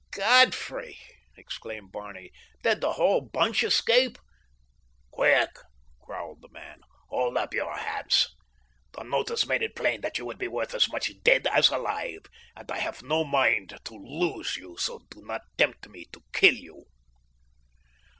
"Godfrey!" exclaimed Barney. "Did the whole bunch escape?" "Quick!" growled the man. "Hold up your hands. The notice made it plain that you would be worth as much dead as alive, and I have no mind to lose you, so do not tempt me to kill you."